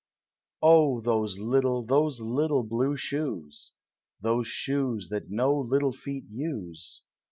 O, those little, those little blue shoes! Those shoes that uo little feet use.